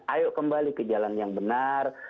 ayo kembali ke jalan yang benar